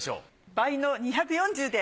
倍の２４０で！